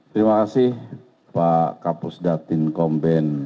terima kasih pak kapus datin komben